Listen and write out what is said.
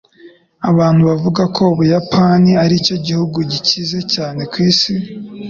Abantu bavuga ko Ubuyapani aricyo gihugu gikize cyane ku isi.